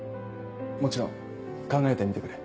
もちろん考えてみてくれ。